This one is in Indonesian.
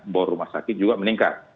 bor rumah sakit juga meningkat